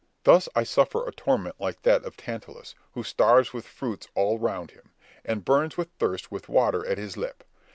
Thus I suffer a torment like that of Tantalus, who starves with fruits all round him, and burns with thirst with water at his lip.